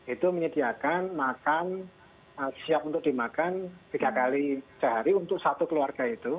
itu menyediakan makan siap untuk dimakan tiga kali sehari untuk satu keluarga itu